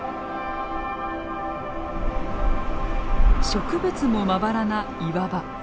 植物もまばらな岩場。